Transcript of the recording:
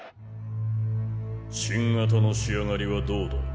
新型の仕上がりはどうだ？